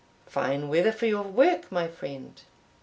"Fine weather for your work, my friend."